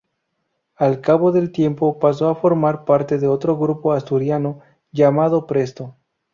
Al cabo del tiempo pasó a formar parte de otro grupo asturiano, llamado Presto.